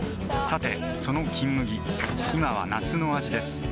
さてその「金麦」今は夏の味です